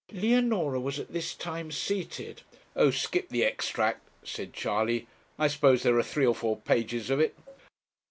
'Leonora was at this time seated ' 'Oh, skip the extract,' said Charley; 'I suppose there are three or four pages of it?'